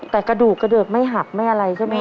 แต่กระดูกกระเดิกไม่หักไม่อะไรใช่ไหมครับ